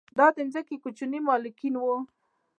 دا د ځمکو کوچني مالکین وو